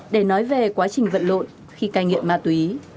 để nói về quá trình vận lộn khi cai nghiện ma túy